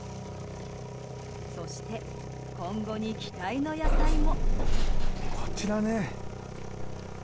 そして今後に期待の野菜も。